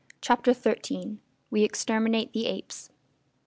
CHAPTER THIRTEEN. WE EXTERMINATE THE APES.